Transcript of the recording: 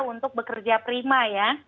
untuk bekerja prima ya